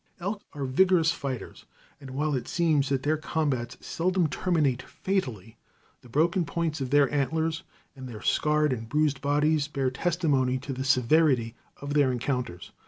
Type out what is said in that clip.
Elk are vigorous fighters, and while it seems that their combats seldom terminate fatally, the broken points of their antlers, and their scarred and bruised bodies, bear testimony to the severity of their encounters.